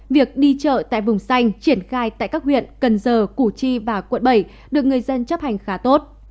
việc đi chợ tại vùng xanh triển khai tại các huyện cần giờ củ chi và quận bảy được người dân chấp hành khá tốt